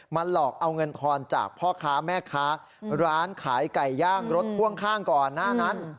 หลอกเอาเงินทอนจากพ่อค้าแม่ค้าร้านขายไก่ย่างรถพ่วงข้างก่อนหน้านั้น